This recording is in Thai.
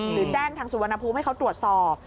หรือแจ้งทางสุวรรณภูมิให้เขาตรวจสอบ